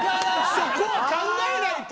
そこを考えないと！